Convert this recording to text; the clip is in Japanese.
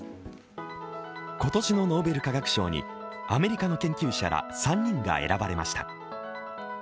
今年のノーベル化学賞にアメリカの研究者ら３人が選ばれました。